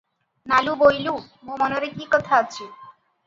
ନାଲୁ - ବୋଇଲୁ, ମୋ ମନରେ କି କଥା ଅଛି?